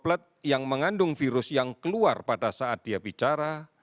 plat yang mengandung virus yang keluar pada saat dia bicara